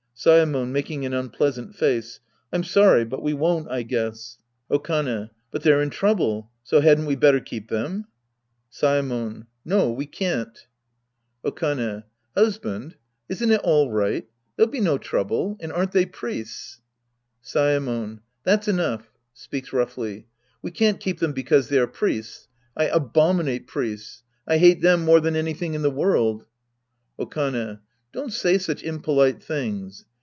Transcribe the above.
Saemon {making an unpleasant face). I'm sorry, but we won't, I guess. Okane, But they're in trouble, so hadn't we better keep them ? Saemon. No, we can't. Sc. I The Priest and His Disciples 27 Okane. Husband, isn't it all right ? They'll be no trouble. And aren't they priests ? Saemon. That's enough. {Speaks roughly^ We can't keep them because they are priests. I abominate priests. I hate them more than anything in the world. Okane. Don't say such impolite things.